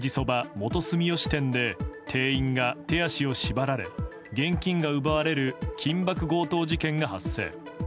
元住吉店で店員が手足を縛られ現金が奪われる緊縛強盗事件が発生。